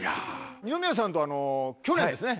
二宮さんとは去年ですね。